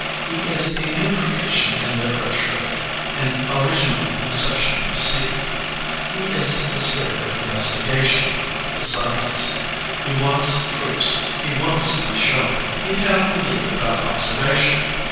He is a new creation in literature, an original conception of Satan. He is the spirit of investigation, the scientist. He wants proofs ; he wants to be shown ; he cannot believe with out observation.